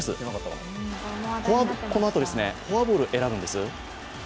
このあと、フォアボール選ぶんです